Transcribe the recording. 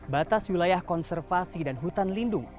batas wilayah konservasi dan hutan lindung